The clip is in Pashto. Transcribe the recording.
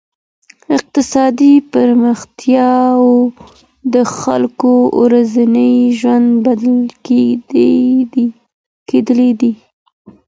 اقتصادي پرمختياوو د خلګو ورځنی ژوند بدل کړی دی.